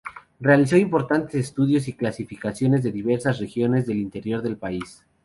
Realizó importantes estudios y clasificaciones en diversas regiones del interior del país.